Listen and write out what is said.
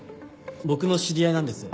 僕の知り合いなんです。